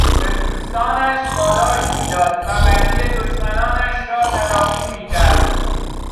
به دوستانش پاداش میداد و بدی دشمنانش را تلافی میکرد.